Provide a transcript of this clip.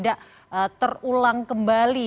agar kejadian yang serupa tidak terulang kembali